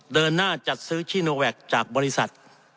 เดินหน้าจัดซื้อชิโนแวคจากบริษัท